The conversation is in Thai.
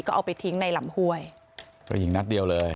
ก็เอาไปทิ้งในหลำหวย